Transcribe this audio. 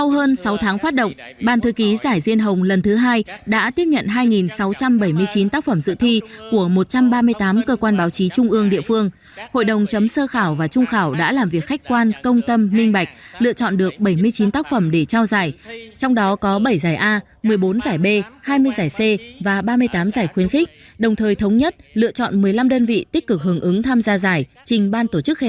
hội đồng nhân dân giải diên hồng lần thứ hai đã tổ chức lễ trao giải tại hà nội